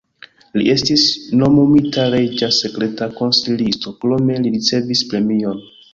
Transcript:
Li estis nomumita reĝa sekreta konsilisto, krome li ricevis premion.